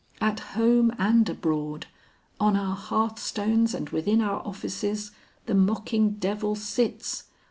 At home and abroad, on our hearthstones and within our offices, the mocking devil sits.